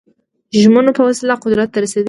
ژمنو په وسیله قدرت ته رسېدلي دي.